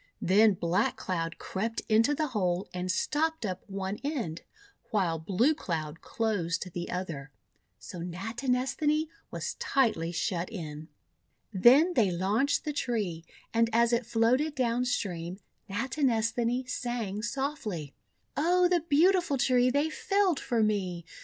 Then Black Cloud crept into the hole and stopped up one end, THE TURKEY GIVEN CORN 363 while Blue Cloud closed the other. So Natines thani was tightly shut in. Then they launched the tree, and as it floated down stream, Natinesthani sang softly :— "0 the beautiful Tree, they felled for me!